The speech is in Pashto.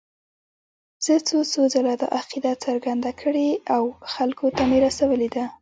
زه څو څو ځله دا عقیده څرګنده کړې او خلکو ته مې رسولې ده.